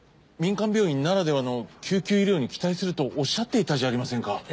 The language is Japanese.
民間病院ならではの救急医療に期待するとおっしゃっていたじゃありませんか。